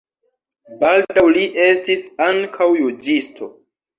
Baldaŭ li estis ankaŭ juĝisto.